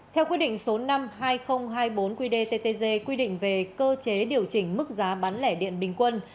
theo quy định số năm hai nghìn hai mươi bốn qdttg quy định về cơ chế điều chỉnh mức giá bán lẻ điện bình quân